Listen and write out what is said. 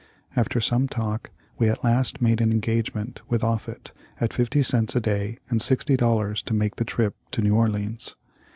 After some talk we at last made an engagement with Offut at fifty cents a day and sixty dollars to make the trip to New Orleans.